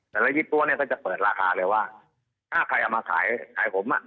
หลายยี่ปั้วเนี่ยก็จะเปิดราคาเลยว่าถ้าใครเอามาขายขายผมอ่ะ